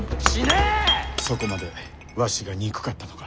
そこまでわしが憎かったのか。